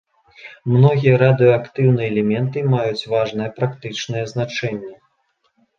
Многія радыеактыўныя элементы маюць важнае практычнае значэнне.